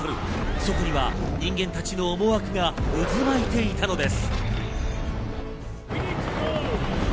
そこには人間たちの思惑が渦巻いていたのです。